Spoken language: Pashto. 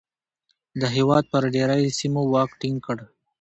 د هېواد پر ډېری سیمو واک ټینګ کړ.